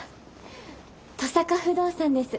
登坂不動産です。